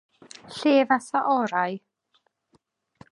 Lle fase orau?